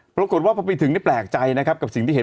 ปรากฏว่าพอไปถึงนี่แปลกใจนะครับกับสิ่งที่เห็น